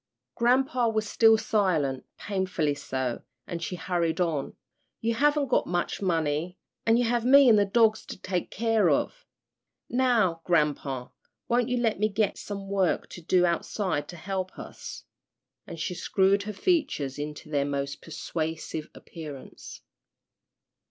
Grampa was still silent, painfully so, and she hurried on, "You haven't got much money, an' you have me an' the dogs to take care of. Now, grampa, won't you let me get some work to do outside to help us?" and she screwed her features into their most persuasive appearance.